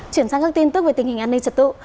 chuyển sang các tin tức về tình hình an ninh trật tự